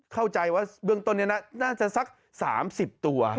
เข้าใจว่าเบื้องต้นนี้น่าจะสัก๓๐ตัว